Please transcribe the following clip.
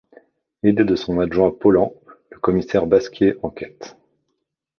Aidé de son adjoint Paulan, le commissaire Basquier enquête.